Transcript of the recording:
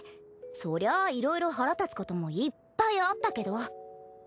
そりゃあいろいろ腹立つこともいっぱいあったけど。